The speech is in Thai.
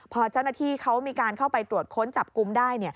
พอเจ้าหน้าที่เขามีการเข้าไปตรวจค้นจับกลุ่มได้